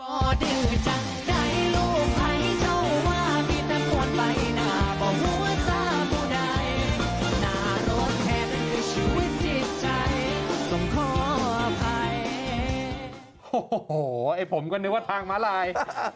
โอ้โหไอ้ผมก็นึกว่าทางมาลาย